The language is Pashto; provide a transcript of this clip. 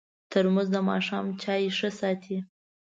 ترموز د ماښام چای ښه ساتي.